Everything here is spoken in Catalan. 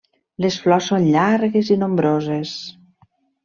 Les flors són llargues i nombroses.